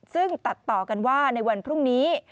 ซึ่งตัดต่อกันว่าในวันพรุ่งนี้